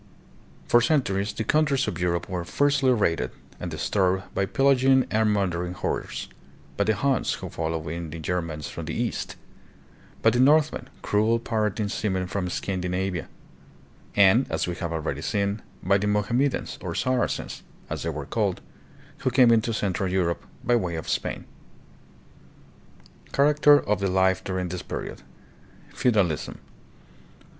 For centuries the countries of Europe were fiercely raided and disturbed by pillaging and mur dering hordes; by the Huns, who followed in the Germans from the East ; by the Northmen, cruel pirating seamen from Scandinavia; and, as we have already seen, by the Mohammedans, or Saracens as they were called, who came into central Europe by way of Spain. Character of the Life during this Period. Feudalism.